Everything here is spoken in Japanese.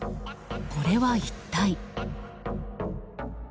これは一体。